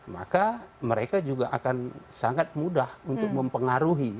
maka mereka juga akan sangat mudah untuk mempengaruhi